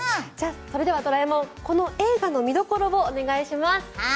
それではドラえもんこの映画の見どころをお願いします。